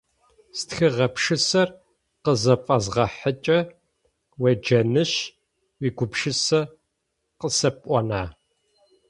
Стхыгъэ пшысэр къызыпфэзгъэхьыкӀэ уеджэнышъ уигупшысэ къысэпӀона?